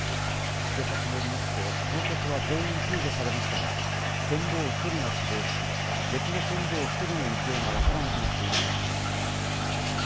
警察によりますと、乗客は全員救助されましたが、船頭１人が死亡し、別の船頭１人の行方が分からなくなっているということです。